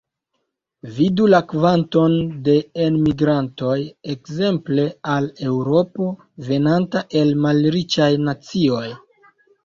Vidu la kvanton de enmigrantoj, ekzemple, al Eŭropo, venanta el malriĉaj nacioj.